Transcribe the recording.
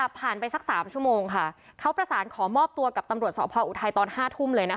ผ่านไปสัก๓ชั่วโมงค่ะเขาประสานขอมอบตัวกับตำรวจสพออุทัยตอน๕ทุ่มเลยนะคะ